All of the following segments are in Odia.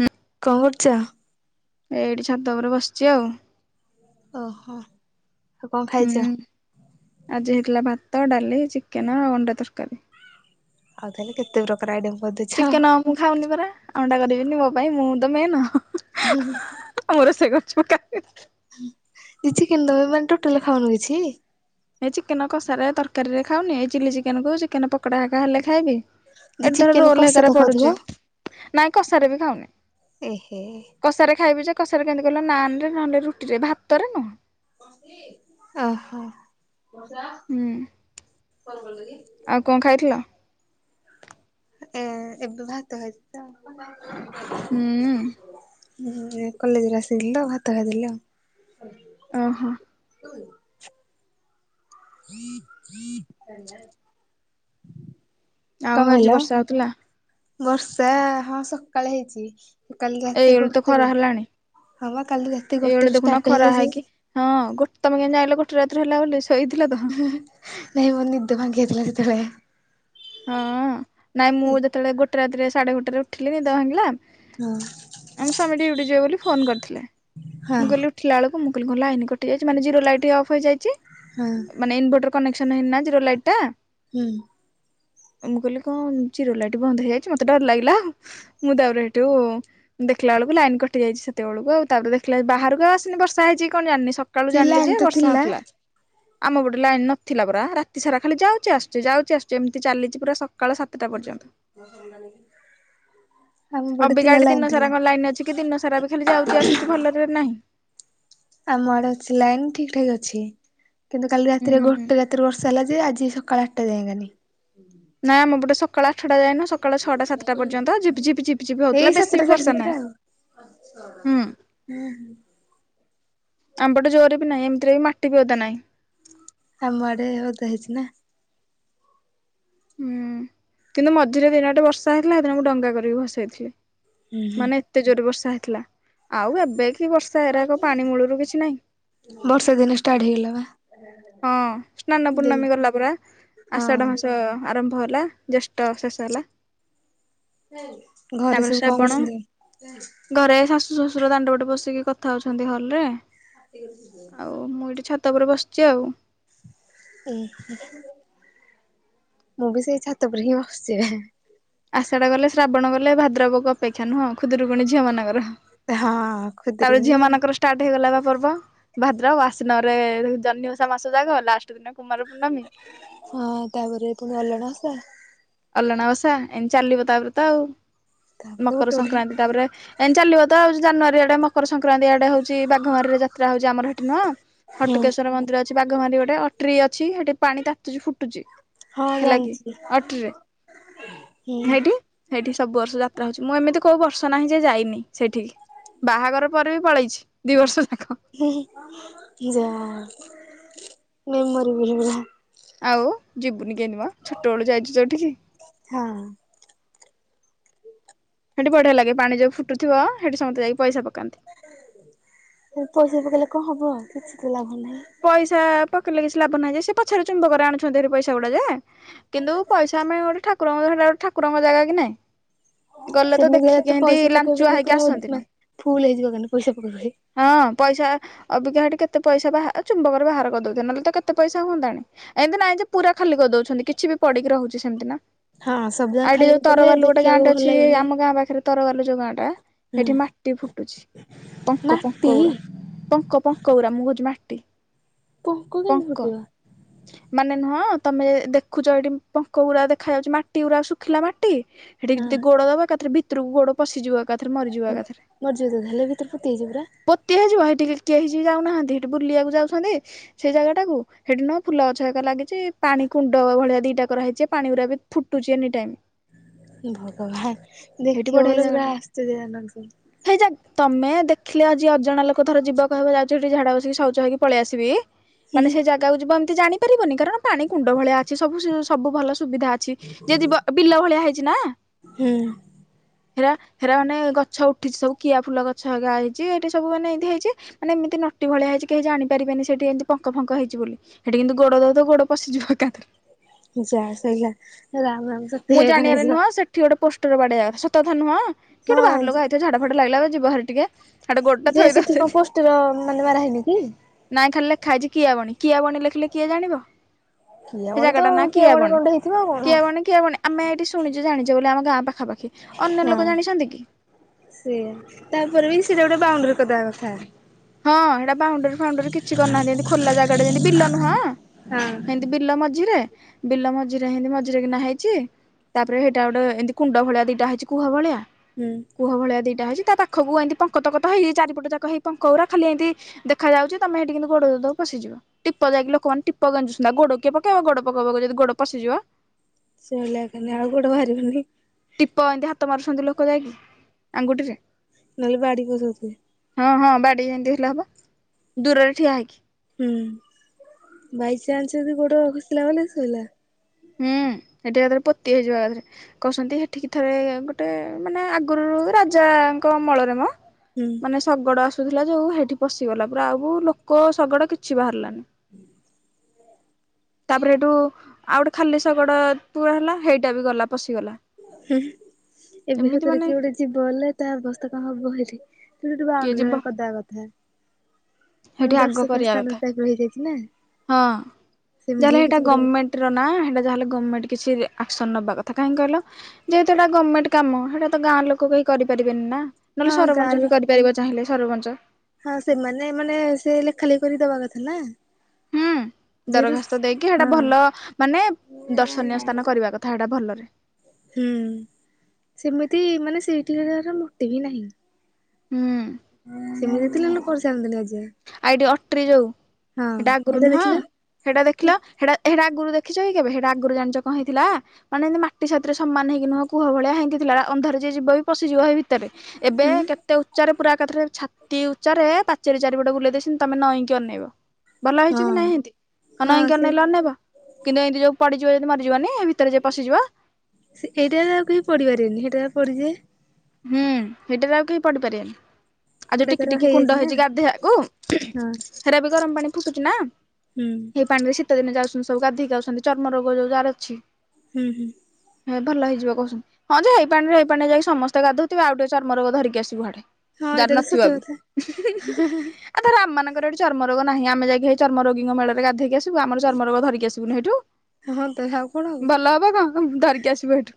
ହୁଁ ଉଁ କଣ କରୁଛ? ଏ ଏଇଠି ଛାତ ଉପରେ ବସିଛି ଆଉ ଓହୋ, ଆଉ କଣ ହୁଁ ଖାଇଛ? ଆଜି ହେଇଥିଲା ଭାତ, ଡାଲି, ଚିକେନ ଆଉ ଅଣ୍ଡା ତରକାରୀ। ଆଉ ତାହେଲେ କେତେ ପ୍ରକାର ଆଇଡମ୍ କରିଦେଇ ଚିକେନ ମୁଁ ଖାଉନି ପରା, ଅଣ୍ଡା କରିବିନି ମୋ ପାଇଁ ମୁଁ ତ ମେନ। ହୁଁ ହ। ଚିକେନ ଦବେ ମାନେ ଟୋଟେଲ ଖାଉନୁ କିଛି? ଏ ଚିକେନ କଷାରେ ତରକାରୀ ରେ ଖାଉନି ଏଇ ଚିଲି ଚିକେନ କୁ ଚିକେନ ପକଡା ହାକା ହେଲେ ଖାଇବି। ଦି ଏଠି ଥର ଚିକେନ ରୋଲ କଷା ତ ହେକାରେ ଖାଉଥିବ? ପଡୁଛି, ନାଇଁ କଷାରେ ବି ଖାଉନି। ଏହେ କଷାରେ ଖାଇବି ଯେ କସାରେ କେମିତି କହିଲ ନାନ ରେ ନହେଲେ ରୁଟିରେ ଭାତରେ ନୁହଁ। ଓ ହୋ। ହୁଁ ଆଉ କଣ ଖାଇଥିଲ? ଏଁ ଏବେ ଭାତ ଖାଇଥିଲି ଆଉ। ହୁଁ। ହୁଁ ଏ କଲେଜ୍ ରୁ ଆସିଥିଲି ତ ଭାତ ଖାଇଥିଲି ଆଉ। ଓ ହୋ। [inaudible] [inaudible] ଆଉ କଣ ଆଜି କହିଲ ବର୍ଷା ହଉଥିଲା ବର୍ଷା ହଁ ସକାଳେ ହେଇଛି। କାଲି ଏଇ ରାତି ଓଳି ତ ଗୋଟେରୁ। ଖରା ହେଲାଣି। ହଁ ବା କାଲି ଏଇଓଳି ଗୋଟେରୁ ଦେଖୁନ ଷ୍ଟାର୍ଟ ହେଲେ ଖରା ଯେ ହେଇକି ହଁ ଗୋ ତମେ କେମିତି ଜାଇଁଲ ଗୋଟେ ରାତିରେ ହେଲା ବୋଲି ଶୋଇଥିଲ ତ? ହଁ ନାଇଁ ମୋ ନିଦ ଭାଙ୍ଗିଯାଇଥିଲା ସେତେବେଳେ। ହୁଁ ନାଇଁ ମୁଁ ଯେତେବେଳେ ଗୋଟେ ରାତିରେ ସାଢେ଼ ଗୋଟେ ରେ ଉଠିଲି ନିଦ ଭାଙ୍ଗିଲା ଆମ ହଁ ସ୍ୱାମୀ ଡ୍ୟୁଟି ଯିବେ ବୋଲି ଫୋନ କରିଥିଲେ ହଁ ମୁଁ କହିଲି ଉଠିଲା ବେଳକୁ ମୁଁ କହିଲି କଣ ଲାଇନ୍ କଟିଯାଇଛି ମାନେ ଜିରୋ ଲାଇଟ୍ ଅଫ ହେଇଯାଇଛି। ହୁଁ। ମାନେ ଇନଭର୍ଟର କନେକ୍ସନ୍ ହେଇନି ନା ଜିରୋ ଲାଇଟ୍ ଟା। ହୁଁ। ମୁଁ କହିଲି କଣ ଜିରୋ ଲାଇଟ୍ ବନ୍ଦ ହେଇଯାଇଛି ମତେ ଡ଼ର ଲାଗିଲା ମୁଁ ତାପରେ ହେଠୁ ଦେଖିଲା ବେଳକୁ ଲାଇନ୍ କଟିଯାଇଚି ସେତେବେଳକୁ ଆଉ ତାପରେ ଦେଖିଲା ବେଳକୁ ବାହାରକୁ ଆଉ ଆସିନି ବର୍ଷା ହେଇଚି କି କଣ ଜାଣିନି ସ ସକାଳୁ ସେ ଜାଣିଲି ଲାଇନ ଯେ ତ ବର୍ଷା ଥିଲା ହଉଥିଲା। ଆମ ପଟେ ଲାଇନ୍ ନଥିଲା ପରା ରାତି ସାରା ଖାଲି ଯାଉଚି ଆସୁଛି ଯାଉଚି ଆସୁଚି ଏମିତି ଚାଲିଚି ପୁରା ସ [unintelligible] ଆମ ପଟେ ଅବିକା ଥିଲା ଏଠି ଲାଇନ ଦିନ ଥିଲା ସାରା କଣ ଲାଇନ୍ ଅଛି କି ଦିନ ସାରା ବି ଖାଲି ଯାଉଚି ଆସୁଛି ଭଲରେ ନାହିଁ। ଆମ ଆଡ଼େ ଅଛି ଲାଇନ୍ ଠିକ୍ ଠାକ୍ ଅଛି କିନ୍ତୁ କାଲି ରାତିରେ ଗୋ ହୁଁ। ଗୋଟେ ରାତି ରୁ ବର୍ଷା ହେଲା ଯେ ଆଜି ସକାଳ ଆଠଟା [unintelligible] ନାଁ ଆମପଟେ ସକାଳ ଆଠଟା ଯାଏ ସକାଳ ଛଅଟା ସାତଟା ପର୍ଯ୍ୟନ୍ତ ଝିପିଝିପିଝିପି ଏଇ ହଉଥିଲା ବେଶୀ ସାତଟା ବି ସାଢେ ବର୍ଷା ସାତଟା ନାହିଁ। ଆଉ ହୁଁ [unintelligible] ଆମପଟେ ଜୋରେ ବି ନାହିଁ ଏମତିରେ ବି ମାଟି ବି ଓଦା ନାହିଁ। ଆମ ଆଡ଼େ ଓଦା ହେଇଛି ନା। ହୁଁ କିନ୍ତୁ ମଝିରେ ଦିନଟେ ବର୍ଷା ହେଇଥିଲା ସେଦିନ ମୁଁ ଡ଼ଙ୍ଗା କରିକି ଭସେଇଥିଲି। ମାନେ ଏତେ ଜୋରେ ବର୍ଷା ହେଇଥିଲା ଆଉ ଏବେ କି ବର୍ଷା ଏରାକ ପାଣି ମୂଳୁରୁ କିଛି ନାହିଁ। ବର୍ଷା ଦିନ ଷ୍ଟାର୍ଟ ହେଇଗଲା ବା। ହଁ ସ୍ନାନ ଡେଲି ପୂର୍ଣ୍ଣମୀ ଗଲା ପରା ହଁ ଆଷାଢ଼ ମାସ ଆରମ୍ଭ ହେଲା। ଜ୍ୟେଷ୍ଠ ଶେଷ ହେଲା। ଘରେ ତାପରେ ସବୁ କଣ ଶ୍ରାବଣ କରୁଛନ୍ତି? ଘରେ ଶାଶୁ ଶଶୁର ଦାଣ୍ଡ ପଟେ ବସିକି କଥା ହଉଛନ୍ତି ହଲ୍ ରେ। ଆଉ ମୁଁ ଏଇଠି ଛାତ ଉପରେ ବସିଛି ଆଉ। ହୁଁ ମୁଁ ବି ସେଇ ଛାତ ଉପରେ ହିଁ ବସିଚି ଏବେ। ଆଷାଢ଼ ଗଲେ ଶ୍ରାବଣ ଗଲେ ଭାଦ୍ରବ କୁ ଅପେକ୍ଷା ନୁହଁ ଖୁଦୁରୁକୁୁଣି ଝିଅ ମାନଙ୍କର। ହଁ। ତାପରେ ଝିଅ ଖୁଦୁରୁକୁଣୀ ଆଉ। ମାନଙ୍କର ଷ୍ଟାର୍ଟ ହେଇଗଲା ବା ପର୍ବ। ଭାଦ୍ରବ ଆଶ୍ଵିନ ରେ ଜହ୍ନିଓଷା ମାସ ଯାକ ଲାଷ୍ଟ୍ ଦିନ କୁମାର ପୂର୍ଣ୍ଣମୀ। ହଁ ତାପରେ [unintelligible] ଅଲଣା ଓଷା ଏମତି ଚାଲିବ ତାପରେ ତ ଆଉ ତାପରେ ଗୋଟେ ମକର ଗୋଟେ ସଂକ୍ରାନ୍ତି ତାପରେ ଏମିତି ଚାଲିବ ତ ଜାନୁଆରୀ ଆଡ଼େ ମକର ସଂକ୍ରାନ୍ତି ଆଡ଼େ ହଉଛି ବାଘମାରି ରେ ଯାତ୍ରା ହଉଛି ଆମର ସେଠି ନୁହଁ ହୁଁ ହଟକେଶ୍ଵର ମନ୍ଦିର ଅଛି ବାଘମାରି ଗୋଟେ ଅଟରି ଅଛି ସେଠି ପାଣି ତାତୁଚି ଫୁଟୁଛି। ହଁ ହେଲା କି। ଜାଣିଛି। ଅଟ୍ରିରେ ହେଇଠି ହୁଁ ହେଇଠି ସବୁ ବର୍ଷ ଯାତ୍ରା ହଉଛି ମୁଁ ଏମିତି କୋଉ ବର୍ଷ ନାହିଁ ଯେ ଯାଇନି ସେଠିକି। ବାହାଘର ପରେ ବି ପଳେଇଛି ଦି ବର୍ଷ ଯାକ। ଯାହା ମେମୋରିବଲ। ଆଉ ଯିବୁନି କେଇନମ ଛୋଟବେଳୁ ଯାଇଛୁ ଯୋଉଠିକି ହଁ। ସେଠି ବଢିଆ ଲାଗେ ପାଣି ଯଉ ଫୁଟୁଥିବ ସେଠି ସମସ୍ତେ ଯାଇକି ପଇସା ପକାନ୍ତି। ପଇସା ପକେଇଲେ କଣ ହବ କିଛି ତ ଲାଭ ନାହିଁ। ପଇସା ପକେଇଲେ କିଛି ଲାଭ ନାହିଁ ଯେ ସେ ପଛରେ ଚୁମ୍ବକରେ ଆଣୁଛନ୍ତି ପଇସା ଗୁଡା ଯେ। କିନ୍ତୁ ପଇସା ଆମେ ଗୋଟେ ଠାକୁରଙ୍କ ସେ ଗୋଟେ ଠାକୁରଙ୍କ ଜାଗା କି ନାହିଁ। ସେମିତି ହେଲେ ତ ପଇସା ପକେଇବା ପକେଇ ପୁରା ଆସନ୍ତିନି ଫୁଲ ହେଇଯିବ କ ପଇସା ପକେଇ ପକେଇ। ହଁ ପଇସା ଅବିକା ହେଟୀ କେତେ ପଇସା ବା ଚୁମ୍ବକରେ ବାହାର କରିଦଉନ୍ତି ନହେଲେ ତ କେତେ ପଇସା ହୁଅନ୍ତାଣି। ଏମତି ନାଇଁ ଯେ ପୁରା ଖାଲି କରିଦଉଛନ୍ତି କିଛି ବି ପଡିକି ରହୁଛି ସେମିତି ନା। ହଁ ସବୁ ଯାକ ଆଉ ଏଠି ଖାଲି ଯୋଉ କରିଦେଲେ ତରବାରଲୁ ଗୋଟେ ଦେଖିବାକୁ ଗାଁଟେ ଭଲ ଅଛି ଲାଗିବନି। ଆମ ଗାଁ ପାଖରେ ତରଗାକୁ ଜଉ ଗାଁ ଟା ହୁଁ ସେଠି ମାଟି ଫୁଟୁଛି ପଙ୍କ ମାଟି ପଙ୍କ ଉରା। ପଙ୍କ ପଙ୍କ ଉରା ମୁକହୁଚି ମାଟି। ପଙ୍କ। ହୁଁ ମାନେ ନୁହଁ ତମେ ଦେଖୁଛ ଏଠି ପଙ୍କ ଗୁଡା ଦେଖା ଯାଉଛି ମାଟି ଗୁଡା ଶୁଖିଲା ମାଟି ସେଠି ଯଦି ହଁ। ଗୋଡ ଦବା ଏକାଥରେ ଭିତରକୁ ଗୋଡ ପଶଯିବା ଏକାଥରେ ମରିଯିବ। ମର୍ଯ ଯଦ ହେଲେ ଭିତରେ ପୂତି ହେଇଯିବୁରା। ପୋତିହେଇଯିବ ହେଟିକି କେହି ଯାଉନାହାନ୍ତି ସେଠି ବୁଲିବାକୁ ଯାଉଛନ୍ତି ସେଇ ଜାଗାଟାକୁ। ସେଠି ନୁହଁ ଫୁଲ ଗଛ ଏକ ଲାଗିଛି ପାଣି କୁଣ୍ଡ ଭଳିଆ ଦିଟା କରା ହେଇଛି ପାଣି ଗୁରା ବି ଫୁଟୁଛି ଏନି ଟାଇମ। ଭଗବାନ ହେଇଠି ଦେଖିବ ବଢିଆ ବୋଲି ପୁରା ଜାଗାଟେ ଆଶ୍ଚର୍ଯ୍ୟ ହେ ହେଇ ଯା ତମେ ଦେଖିଲେ ଆଜି ଅଜଣା ଲୋକ ଥର ଯିବା କହିବା ଯାଉଛି ଏଠି ଝାଡା ବସିକି ଶୌଚ ହେଇକି ପଳେଇ ଆସିବି ମାନେ ସବୁ। ସେ ଜାଗା ଗକୁ ଯିବ ଏମିତି ଜାଣିପାରିବନି କାରଣ ପାଣି କୁଣ୍ଡ ଭଳିଆ ଅଛି ସବୁ ସବୁ ଭଲ ସୁବିଧା ଅ ଛି ଯଦି ବିଲ ଭଳିଆ ହେଇଛି ନା। ହୁଁ ହେରା ହେରା ମାନେ ଗଛ ଉଠିଛି ସବୁ କିଆ ଫୁଲ ଗଛଗା ହେଇଛି ଏଇଠି ସବୁ ମାନେ ଏତି ହେଇଛି। ମାନେ ଏମିତି ନଟି ଭଳିଆ ହେଇଛି କେହି ଜାଣି ପାରିବେନି ସେଠି ଏମିତି ପଙ୍କ ଫଙ୍କ ହେଇଛି ବୋଲି ସେଠି କିନ୍ତୁ ଗୋଡ ଦଉ ତ ଗୋଡ ପଶଯିବ ଏକାଥରେ। ଯା ସେଇଗା ରାମାମ ମୁଁ ଜାଣି ଆର ନୁହଁ ସେଠି ଗୋଟେ ପୋଷ୍ଟର ବାଡିଆ ସତଥା ନୁହଁ କି ଗୋଟେ ହଁ ବାହାର ଲୋଗ ଆ ସେ ଝାଡା ଫାଡା ଲାଗିଲା ବା ଯିବା ଘରେ ଟିକେ। ହାଡେ ଗୋଡଟା ଯେ ଥୋଇଦବ ସେଠି କଣ ପୋଷ୍ଟର ମାନେ ମାର ହେଇନି କି? ନାଇଁ ଖାଲି ଲେଖାଇଛି କିଆବାଣୀ କିଆବାଣୀ ଲେଖିଲେ କିଏ ଜାଣିବ? କିଏ ସେ କଣ ଜାଗା ତ ଟା ନା କି କିଏ କଣ ଆବଣୀ କଣଟେ ହେଇଥିବ ଆଉ କଣ କି ଆବଣୀ ‌। କିଆବଣୀ ଆମେ ଏଇଠି ଶୁଣିଛୁ ଜାଣିଛୁ ବୋଲି ଆମ ଗାଁ ପାଖାପାଖି ଅନ୍ୟ ଲୋକ ଜାଣିଛନ୍ତି କି? ସେ ଆ ତାପରେ ବି ସେଇଟା ଗୋଟେ ବାଉଣ୍ଡରୀ କରିବା କଥା। ହଁ ଏଇଟା ବାଉଣ୍ଡରୀ ଫାଉଣ୍ଡରୀ କିଛି କରି ନାହାନ୍ତି ଖୋଲା ଜାଗାଟା ଯେମତି ବିଲ ନୁହଁ। ହଁ। ଏତି ବିଲ ମଝିରେ ବିଲ ମଝିରେ ଏମତି ମଝିରେ କି ନା ହେଇଛି। ତାପରେ ସେଇଟା ଗୋଟେ ଏମିତି କୁଣ୍ଡ ଭଳିଆ ଦିଟାଇଛି କୁହ ଭଳିଆ। ହୁଁ। କୁହ ଭଳିଆ ଦିଟା ଅଛି ତା ପାଖକୁ ଏମତି ପଙ୍କତ କତ ହେଇଇ ଚାରିପଟ ଯାକହିଁ ପ ଙ୍କ ଉରା ଖାଲି ଏମତି ଦେଖାଯାଉଛି ତମେ ସେଇଠି କିନ୍ତୁ ଗୋଡ଼ ଦଉଦଉ ପଶିଯିବ। ଟିପ ଯାଇକି ଲୋକମାନେ ଟିପ ଗଜୁଛନ୍ତି ଗୋଡ କିଏ ପକେଇବା ଗୋଡ ପକୋଉ ପୋକୋଉ ଯଦି ଗୋଡ ପଶିଯିବ। ସେଇଲାଗିନି ଆଉ ଗୋଡ ବାହାରିବନି। ଟିପ ଏମତି ହାତ ମାରୁଛନ୍ତି ଲୋକ ଯାଇକି ଆଙ୍ଗୁଠିରେ। [unintelligible] ହଁ ହଁ ବାଡି ଯେମତି ହେଲେ ହବ ଦୂରରେ ଠିଆ ହେଇକି। ହୁଁ ବାଇଚାନ୍ସ ଯଦି ଗୋଡ ଖସିଲା ମାନେ ଶୋଇଲା। ହୁଁ ସେଠି ଏକାଥରେ ପୋତି ହେଇଯିବ ଏକାଥରେ। କହୁସନ୍ତି ସେଠିକି ଥରେ ଗୋଟେ ମାନେ ଆଗରୁ ରାଜାଙ୍କ ଅମଳରେ ମ। ହୁଁ। ମାନେ ଶଗଡ଼ ଆସୁଥିଲା ଯୋଉ ହେଠି ପଶିଗଲା ପୁରା ଆଉ ଲୋକ ଶଗଡ଼ କିଛି ବାହାରିଲାନି। ହୁଁ। ତାପରେ ହେଠୁ ଆଉ ଗୋଟେ ଖାଲି ଶଗଡ଼ ପୁରା ହେଲା ହେଇଟା ବି ଗଲା ପଶିଗଲା। ହୁଁ ଏବେ ଏମିତି ହେକରେ ମାନେ କିଏ ଗୋଟେ ଯିବ ବୋଲେ ତା ଅବସ୍ଥା କଣ ହବ ହେଠି। ତ ସେଠି କିଏ ବାଉଣ୍ଡ୍ରି ଯିବ ହେରିକା କରିଦବା କଥା। ସେଇଠି ମାନେ ଆଗ ଦର୍ଶକ କରିବା ସ୍ଥାନ କଥା ଟାଇପ ର ହେଇଯାଇଚି ନା ସେମିତି ହିଁ କିଛି ଗୋଟେ ଗମେଣ୍ଟ ର ନାଁ ହେଟା ଯାହେଲେ ଗମେଣ୍ଟ କିଛି ରି ଆକ୍ସନ ନବା କଥା କାହିଁ କହିଲ ଯେହେତୁ ଏଟା ଗମେଣ୍ଟ କାମ ହେଇଟା ତ ଗାଁ ଲୋକ କେହି କରିପାରିବେନି ନା। ନହେଲେ ହଁ ଗାଁ ସରପଞ୍ଚ ଲୋ ବି କରିପାରିବ ଚାହିଁଲେ ସରପଞ୍ଚ। ହଁ ସେମାନେ ମାନେ ସେ ଲେଖା ଲେଖି କରି ଦବା କଥା ନା। ହୁଁ ଯେହେତୁ ଦରଖାସ୍ତ ଦେଇକି ସେଟା ହଁ ଭଲ ମାନେ ଦର୍ଶନୀୟ ସ୍ଥାନ କରିବା କଥା ଏଟା ଭଲରେ। ହୁଁ ସେମିତି ମାନେ ସେଇଠି କାହାର ମୋଟିବି ନାହିଁ। ହୁଁ। ସେମିତି ଥିଲା ଲୋକ କରିସାରନ୍ତିନି ଆଜି ଯାଏଁ। ଆ ଏଠି ଅଟ୍ରି ଯଉ ହଁ ହେଟା ଆଗରୁ ଏଇଟା ନୁହଁ। ଦେଖିଲ ହେଟା ଦେଖିଲ ହେଟା ହେଟା ଆଗରୁ ଦେଖିଚକି କେବେ ହେଟା ଆଗରୁ ଜାନିଚ କଣ ହେଇଥିଲା ମାନେ ଏମତି ମାଟି ସାଥିରେ ରେ ସମ୍ମାନ ହେଇକି ନୁହଁ କୁଅ ଭଳିଆ ହେନ୍ତି ଥିଲା ହେଟା ଅନ୍ଧରା ଯିଏ ଯିବି ପସିଯିବ ହେଇ ଭି ଏବେ ହୁଁ କେତେ ଉଚ୍ଚାରେ ପୁରା ଏକାଥରେ ଛାତି ଉଚାରେ ପାଚେରୀ ଚାରିପଟ ବୁଲେଇ ସନ୍ତି ତମେ ନଇଁକି ଅନେଇବ ଭଲ ହେଇଚି କି ନାଇଁ ହଁ ହିନ୍ତି ଅ ହଁ ନେଇଁକି ସେ ଅନେଇଲେ ଅନେଇବ। କିନ୍ତୁ ଏନ୍ତି ଯଉ ପଡିଯିବ ଯଦି ମରିଯିବନି ହେଇ ଭିତରେ ଯିଏ ପଶିଯିବ। ସେ ଏଇଟାରେ ଆଉ କେହି ପଡିପରିବେନି ହେଇଟାରେ ପଡ଼ିଯିବେ। ହୁଁ ହେଇଟାରେ ଆଉ କେହି ପଢିପାରିବନି। ଆଉ ଯୋଉ ଏଇଟା ଟିକି ତାର ଟିକି କୁଣ୍ଡ ହେଇଯାଇଛି ନା ହେଇଚି ଗାଧୋଇଆକୁ ହଁ ହେରା ବି ଗରମ ପାଣି ଫୁଟୁଛି ନା। ହୁଁ। ସେଇ ପାଣିରେ ଶୀତ ଦିନେ ଯାଉସନ୍ତି ସବୁ ଗାଧେକି ଆଉସନ୍ତି ଚର୍ମ ରୋଗ ଯୋଉ ଯାହାର ଅଛି। ହୁଁ ହୁଁ। ହେ ଭଲ ହେଇଯିବ କହୁସନ୍ତି ହଁ ଯେ ହେଇ ପାଣି ରେ ହେଇ ପାଣିରେ ଯାଇ ସମସ୍ତେ ତେ ଗାଧଉଥିବେ ଆଉ ଟିକେ ଚର୍ମ ରୋଗ ଧରିକି ଆସିବୁ ହଠେ ହଁ ଯାର ଏଇଟା ତ ନଥିବ ସତ ବି। କଥା ଆ ଧର ଆମ ମାନଙ୍କର ଏଠି ଚର୍ମ ରୋଗ ନାହିଁ ଆମେ ଯାଇକି ହେଇ ଚର୍ମ ରୋଗୀଙ୍କ ମେଳରେ ଗାଧେଇକି ଆସ ବୁ ଆମର ଚର୍ମ ରୋଗ ଧରିକି ଆସିବୁନି ଏଇଠୁ ହଁ ତ ଆଉ କଣ ଭଲ ହବ କଣ କ ଧରିକି ଆସିବୁ ହେଇଠୁ।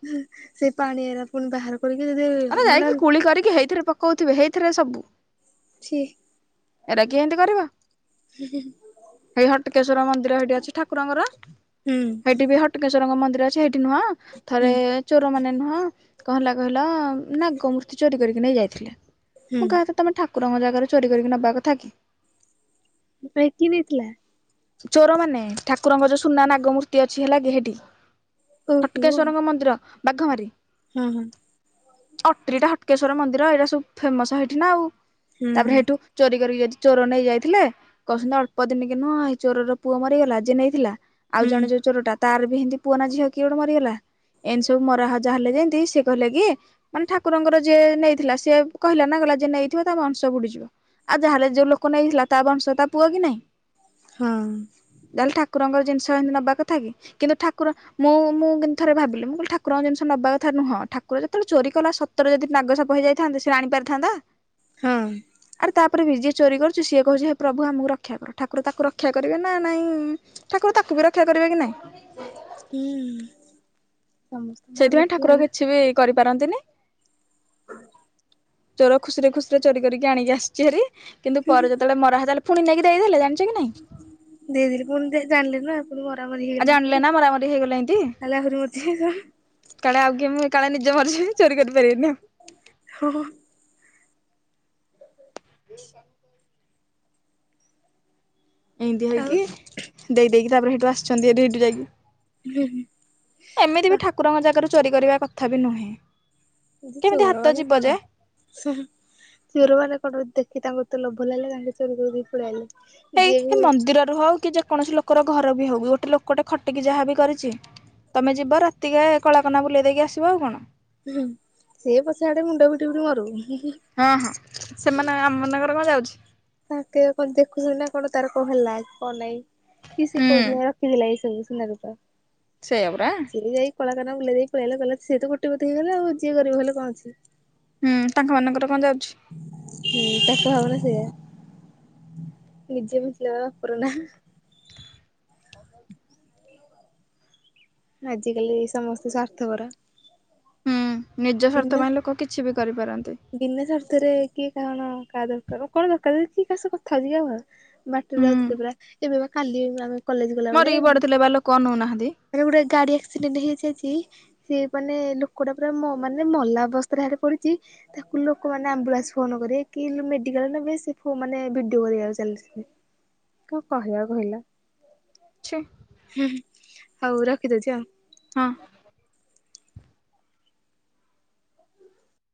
ସେ ପାଣି ଏରେ ପୁଣି ବାହାର କରିକି ଯଦି ଏରା ମାନେ ଯାଇକି କୁଳି କରିକି ହେଇଥିରେ ପକଉଥିବେ ହେଇଥିରେ ସବୁ। ଛି। ଏରା କିଏ ହେନ୍ତି କରିବ। ହେଇ ହଟକେଶ୍ଵର ମନ୍ଦିର ହେଇଠି ଅଛି ଠାକୁରଙ୍କର ହୁଁ ହେଇଠି ବି ହଟ ହଟକେଶ୍ଵରଙ୍କ ମନ୍ଦିର ଅଛି ସେଇଠି ନୁହଁ ଥରେ ହୁଁ ଚୋର ମାନେ ନୁହଁ କଣ ହେଲା କହିଲ ନାଗମୂର୍ତ୍ତି ଚୋରି କରିକି ନେଇ ଯାଇଥିଲେ ହୁଁ ମୁଁ କହିବା କଥା ତମେ ଠାକୁରଙ୍କ ଜାଗାରେ ଚୋରି କରିକି ନବା କଥା କି। ହେ ପାଇ କି ନେଇଥିଲା? ଚୋର ମାନେ ଠାକୁରଙ୍କ ଯୋଉ ସୁନା ନାଗମୂର୍ତ୍ତି ଅଛି ହେଲା କି ହେଠି। ଓହୋ ହଟକେଶ୍ଵରଙ୍କ ମନ୍ଦିର ବାଘମାରି‌। ହଁ ହଁ। ଅଟ୍ରିଟା ହଟକେଶ୍ୱର ମନ୍ଦିର ଏଇଟା ସବୁ ଫେମସ ହେଇଠି ନା ଆଉ ହୁଁ ତାପରେ ହେଠୁ ଚୋରି କରିକି ଯଦି ଚୋର ନେଇ ଯାଇଥିଲେ କହୁଛନ୍ତି ଅଳ୍ପ ଦିନ କେ ନୁହଁ ଏଇ ଚୋରର ପୁଅ ମରିଗଲା ଯେ ନେଇଥିଲା ଆଉ ହୁଁ ଜଣେ ଯୋଉ ଚୋର ଟା ତାର ବି ଏମିତି ପୁଅ ନା ଝିଅ କିଏ ଗୋଟେ ମରିଗଲା ଏମିତି ସବୁ ମରାହଜା ହେଲେ ଯେମିତି ସେ କହିଲେ କି ମାନେ ଠାକୁରଙ୍କର ଯିଏ ନେଇଥିଲା ସିଏ କହିଲା ନା ଗଲା ଜିଏ ନେଇଥିବ ତା ବଂଶ ବୁଡିଯିବ। ଆଉ ଯାହାଲେ ଯୋଉ ଲୋକ ନେଇଥିଲା ତା ବଂଶ ତା ପୁଅ କି ନାଇଁ? ହଁ। ଯାହେଲେ ଠାକୁରଙ୍କର ଜିନିଷ ଏମିତି ନେବା କଥା କି? କିନ୍ତୁ ଠାକୁର ମୁଁ ମୁ କିନ୍ତୁ ଥରେ ଭାବିଲି ମୁଁ ଠାକୁରଙ୍କ ଜିନିଷ ନବା କଥା ନୁହଁ ଠାକୁର ଯେତେବେଳେ ଚୋରି କଲା ସତରେ ଯଦି ନାଗସାପ ହେଇଯାଇଥାନ୍ତେ ସେ ଆଣି ପାରିଥାନ୍ତା? ହଁ। ଆର୍ ତାପରେ ବି ଯିଏ ଚୋରି କରୁଛି ସିଏ କହୁଛି ହେ ପ୍ରଭୁ ଆମକୁ ରକ୍ଷା କର ଠାକୁର ତାକୁ ରକ୍ଷା କରିବେ ନା ନାଇଁ? ଠାକୁର ତାକୁ ବି ରକ୍ଷା କରିବେ କି ନାହିଁ? ହୁଁ। ସମସ୍ତଙ୍କ ଆଡୁ ସେଥିପାଇଁ ଦେଖିଲା ଠାକୁର ବେଳକୁ କିଛି ବି କରିପାରନ୍ତିନି। ଚୋର ଖୁସିରେ ଖୁସିରେ ଚୋରି କରିକି ଆଣିକି ଆସିଛି ହେରି କିନ୍ତୁ ପରେ ଯେତେବେଳେ ମରା ହେ ତା ଫୁଣି ନେଇକି ଦେଇଦେଲେ ଜାଣିଛ କି ନାହିଁ? ଦେଇଦେଲିି ପୁଣି ଜାଣିଲି ନା ଆ ପୁଣି ମରାମରି ଆଉ ହେଇଗଲିଣିି ଜାଣିଲେ ସବୁ ନା ମରାମରି ହେଇଗଲେ ଏମିତି ତାହଲେ ଆହୁରି ମତେ ହେଇ କଣ? କାଳେ ଆଉ କି ମୁଁ କାଳେ ନିଜ ମରିଯିବି ଚୋରି କରିପାରିବିନି ଆଉ। ହଁ ହଁ। ଏମତି ଆଉ ହେଇକି ଦେଇ ଦେଇେକି ତାପରେ ସେଇଠୁ ଆସିଛନ୍ତିଠୁ ଯାଇକି ୲ ହୁଁ ହୁଁ। ଏମିତି ବି ଠାକୁରଙ୍କ ଜାଗାରୁ ଚୋରି କରିବା କଥା ବି ନୁହେଁ। ଦିଦି କେମିତି ଚୋର ହାତ ମାନେ ଯିବ ଯେ କଣ? ଚୋର ମାନେ କଣ ଦେଖି ତାଙ୍କ ତେ ଲୋଭ ଲାଗେ ତାଙ୍କେ ଚୋରି ପଳେଇଲେ। ଏଇ ମନ୍ଦିରରୁ ହଉ କି ଯେ କୌଣସି ଲୋକର ଘର ବି ହଉ କି ଗୋଟେ ଲୋକଟେ ଖଟିକି ଯାହା ବି କରିଛି। ତମେ ଯିବ ରାତିକେ କଳାକନା ବୁଲେଇ ଦେଇକି ଆସିବ ଆଉ କଣ? ହୁଁ ସିଏ ପଛାଆଡେ ମୁଣ୍ଡ ପିଟି ପିଟି ମରୁ। ହଁ ହଁ ସେମାନେ ଆମନଙ୍କର କଣ ଯାଉଛି? ତାକେ କଣ ଦେଖୁଛ ନା କଣ ତାର କ ହେଲା କଣ ନାଇଁ? କି ସେ ହୁଁ କୋଉ ଦିନ ରଖିଥିଲା କି ଏ ସବୁ ସୁନା ରୂପା? ସେୟପରା। ସିଏ ଯାଇ କଳାକନା ବୁଲେଇ ଦେଇ ପଳେଇ ଆଇଲା ସେତ କୋଟିପତି ହେଇଗଲା ଆଉ କିଏ ଗରିବ ହେଲେ କଣଅଛି? ହୁଁ ତାଙ୍କ ମାନଙ୍କର କଣ ଯାଉଛି? ହୁଁ ତାଙ୍କ ଭାବନା ସେୟା, ନିଜେ ବଞ୍ଚିଲେ ବାପର ନାଁ। [unintelligible] ଆଜିକାଲି ସମସ୍ତେ ସ୍ଵାର୍ଥପର। ହୁଁ ନିଜ ସ୍ୱାର୍ଥ ପାଇଁ ଲୋକ କିଛି ବି କରିପାରନ୍ତି। ବିନା ଶ୍ଵାର୍ଥରେ କିଏ କାରଣ କାହା ଦରକାର କଣ ଦରକାର କିଏ କାହା ସହ କଥା ହଉଛି କି ଆ? ବାଟରେ ହୁଁ ଯାଉଥିଲେ ପୁରା ଏବେ ବା କାଲି ଆମେ କଲେଜ ଗଲାବେଳେ ମରିକି ପଡ଼ିଥିଲେ ବା ଲୋକ ଅନଉନାହାନ୍ତି। ମାନେ ଗୋଟେ ଗାଡ଼ି ଆକ୍ସିଡେଣ୍ଟ ହେଇଚି ଆଜି। ସିଏ ମାନେ ଲୋକ ଟା ପୁରା ମ ମାନେ ମଲା ଅବସ୍ଥାରେ ଆଗେ ପଡିଛି। ତାକୁ ଲୋକମାନେ ଆମ୍ବୁଲାନ୍ସ ଫୋନ ନକରି କି ମେଡିକାଲରେ ନ ନେଇ ମାନେ ଭିଡି କରିବାକୁ ଚାଲିଛନ୍ତି। କଣ କହିବା କହିଲ? ଛି। ହୁଁ ହୁଁ ହଉ ରଖିଦଉଛି ଆଉ। ହଁ।